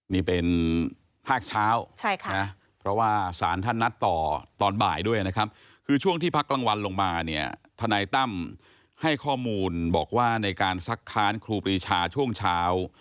นี่เป็นภาคเช้าเพราะว่าสารท่านนัดต่อตอนบ่ายด้วยนะครับคือช่วงที่พักกลางวันลงมาเนี่ยทนายตั้มให้ข้อมูลบอกว่าในการซักค้านครูปรีชาช่วงเช้า